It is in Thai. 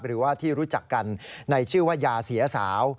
หรือว่าที่รู้จักกันในชื่อว่ายาเสียสาว